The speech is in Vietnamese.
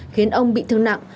khiến ông bị thương nặng